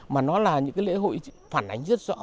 mà nó là những cái lễ hội phản ánh rất rõ